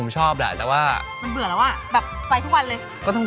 ชอบทะทายตัวเอง